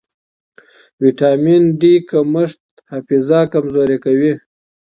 ویټامن ډي کمښت حافظه کمزورې کوي.